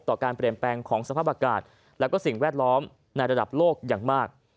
การเปลี่ยนแปลงของสภาพอากาศและสิ่งแวดล้อมในระดับโลกอย่างมาก